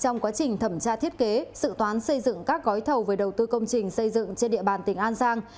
trong quá trình thẩm tra thiết kế sự toán xây dựng các gói thầu về đầu tư công trình xây dựng trên địa bàn tỉnh an giang